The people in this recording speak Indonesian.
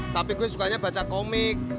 tapi gue sukanya baca komik